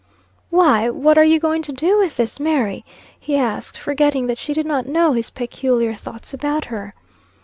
"Why, what are you going to do with this Mary?" he asked, forgetting that she did not know his peculiar thoughts about her.